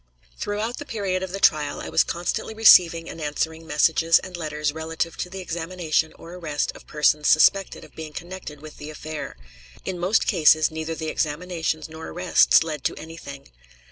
Throughout the period of the trial I was constantly receiving and answering messages and letters relative to the examination or arrest of persons suspected of being connected with the affair. In most cases neither the examinations nor arrests led to anything.